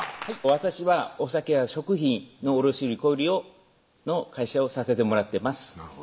私はお酒や食品の卸売り・小売りの会社をさせてもらってます